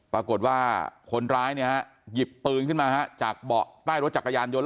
ปรากฏว่าคนร้ายหยิบปืนขึ้นมาจากเบาะใต้รถจักรยานยนต์